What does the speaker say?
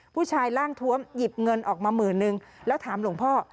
ร่างทวมหยิบเงินออกมาหมื่นนึงแล้วถามหลวงพ่อ